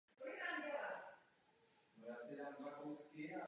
Z počátku publikoval pod pseudonymem v různých novinách krátké povídky.